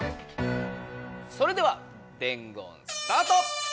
それでは伝言スタート！